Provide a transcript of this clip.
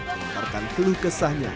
mengumparkan keluh kesahnya